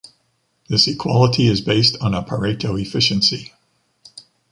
This equality is based on a Pareto efficiency.